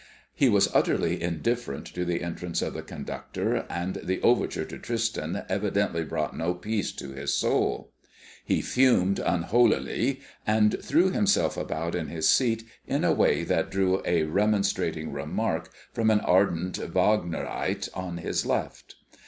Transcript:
He was utterly indifferent to the entrance of the conductor, and the overture to Tristan evidently brought no peace to his soul. He fumed unholily, and threw himself about in his seat in a way that drew a remonstrating remark from an ardent Vaaagnerite on his left.